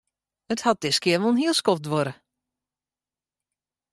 It hat diskear wol in hiel skoft duorre.